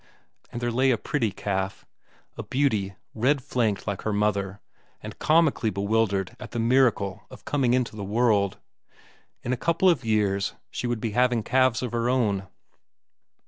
And there lay a pretty calf, a beauty, red flanked like her mother, and comically bewildered at the miracle of coming into the world. In a couple of years she would be having calves of her own.